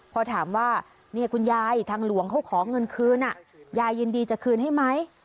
พอถามว่าเนี่ยคุณยายทางหลวงเขาขอเงินคืนยายยินดีจะคืนให้ไหม